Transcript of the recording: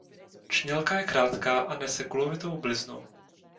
Čnělka je krátká a nese kulovitou bliznu.